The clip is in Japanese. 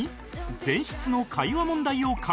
前室の会話問題を解決